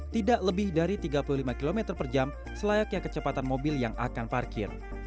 tidak lebih dari tiga puluh lima km per jam selayaknya kecepatan mobil yang akan parkir